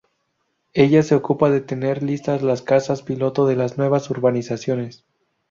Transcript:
Ella se ocupa de tener listas las casas piloto de las nuevas urbanizaciones.